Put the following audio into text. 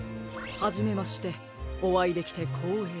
はじめましておあいできてこうえいです。